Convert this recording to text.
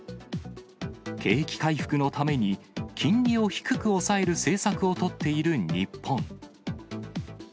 景気回復のために、金利を低く抑える政策を取っている日本。